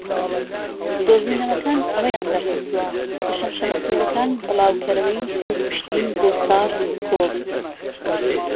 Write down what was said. دۆزینەوەکان ئەوەیان دەرخستوە کە شەمشەکوێرەکان بڵاوکەرەوەی سروشتین بۆ سارس- کۆڤ.